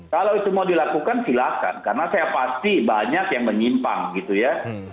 kalau itu mau dilakukan silakan karena saya pasti banyak yang menyimpang gitu ya